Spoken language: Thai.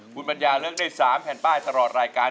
คุณปัญญาเลือกได้๓แผ่นป้ายตลอดรายการ